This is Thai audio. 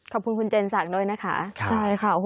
ขอบคุณคุณเจนสักด้วยนะคะ